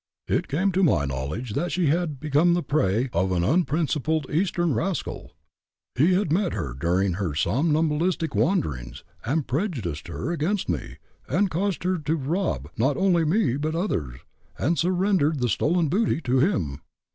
It came to my knowledge that she had become the prey of an unprincipled Eastern rascal. He had met her during her somnambulistic wanderings, and prejudiced her against me, and caused her to rob not only me but others, and surrender the stolen booty to him.